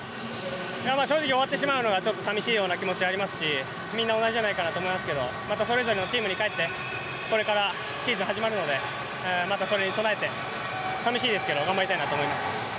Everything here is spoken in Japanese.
正直終わってしまうのがちょっと寂しいような気持ちがありますしみんな同じじゃないかと思いますけどまたそれぞれのチームに帰ってこれからシーズン始まるのでまたそれに備えて寂しいですけど頑張りたいなと思います。